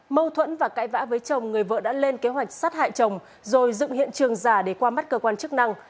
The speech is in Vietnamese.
mâu thuẫn và cãi vã với chồng người vợ đã lên kế hoạch sát hại chồng rồi dựng hiện trường giả để qua mắt cơ quan chức năng